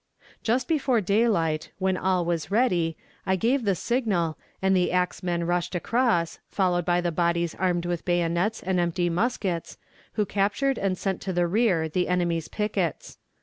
"Just before daylight, when all was ready, I gave the signal, and the axemen rushed across, followed by the bodies armed with bayonets and empty muskets, who captured and sent to the rear the enemy's pickets.